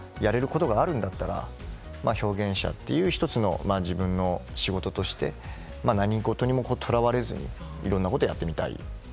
好きなものとそこで自分がやれることがあるんだったら表現者という自分の仕事として何事にもとらわれずいろんなことをやってみたいと。